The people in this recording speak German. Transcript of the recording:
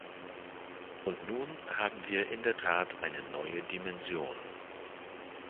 Und nun haben wir in der Tat eine neue Dimension.